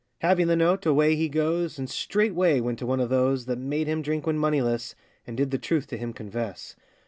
Having the note, away he goes, And straightway went to one of those That made him drink when moneyless, And did the truth to him confess.